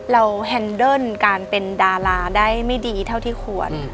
แฮนเดิร์นการเป็นดาราได้ไม่ดีเท่าที่ควร